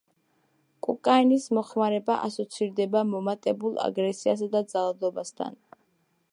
კოკაინის მოხმარება ასოცირდება მომატებულ აგრესიასა და ძალადობასთან.